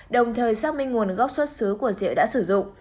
đồng thời xác minh nguồn gốc xuất xứ của rượu đã sử dụng